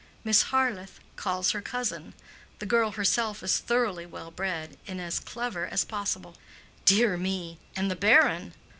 Miss Harleth calls her cousin. The girl herself is thoroughly well bred, and as clever as possible." "Dear me! and the baron?".